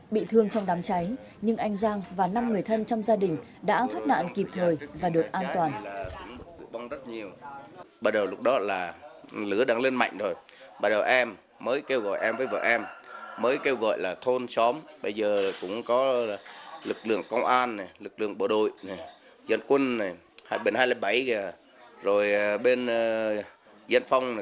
bị thương trong đám cháy nhưng anh giang và năm người thân trong gia đình đã thoát nạn kịp thời và được an toàn